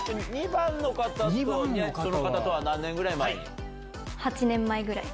２番の方その方とは何年ぐらい前に？